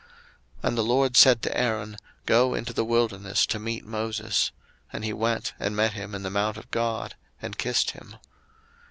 02:004:027 And the LORD said to Aaron, Go into the wilderness to meet Moses. And he went, and met him in the mount of God, and kissed him.